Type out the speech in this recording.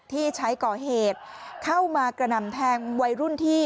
ที่ใช้ก่อเหตุเข้ามากระหน่ำแทงวัยรุ่นที่